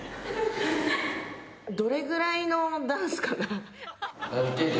どれくらいのダンスかな。